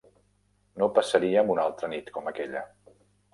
No passaríem una altra nit com aquella.